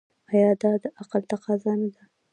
آیا دا د عقل تقاضا نه ده؟